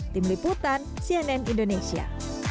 tim liputan cnn indonesia